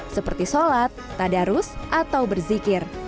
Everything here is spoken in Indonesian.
seperti sholat tadarus atau berzikir